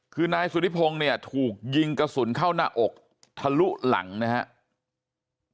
คือนายสุธิพงศ์เนี่ยถูกยิงกระสุนเข้าหน้าอกทะลุหลังนะครับ